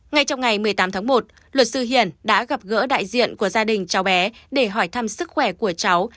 ngay trong ngày một mươi tám tháng một luật sư hiển đã gặp gỡ đại diện của gia đình cháu bé để hỏi thăm sức khỏe của cháu